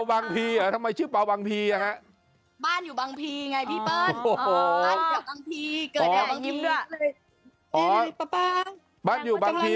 สวัสดีค่ะเจ๊เป่าบังพีค่ะบ้านอยู่บังพี